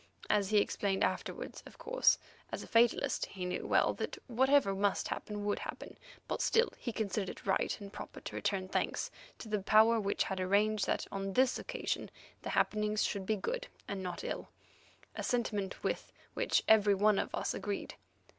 As he explained afterwards, of course, as a fatalist, he knew well that whatever must happen would happen, but still he considered it right and proper to return thanks to the Power which had arranged that on this occasion the happenings should be good, and not ill, a sentiment with which every one of us agreed.